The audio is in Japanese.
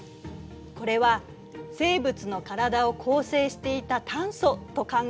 これは生物の体を構成していた炭素と考えられているの。